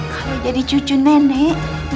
kalau jadi cucu nenek